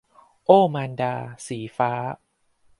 โอ้มาดา - สีฟ้า